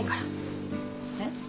えっ？